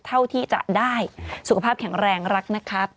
เท่าที่จะได้สุขภาพแข็งแรงรักนะครับ